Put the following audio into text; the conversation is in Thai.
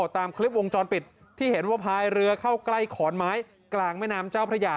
ตามคลิปวงจรปิดที่เห็นว่าพายเรือเข้าใกล้ขอนไม้กลางแม่น้ำเจ้าพระยา